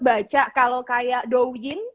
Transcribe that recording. baca kalau kayak doain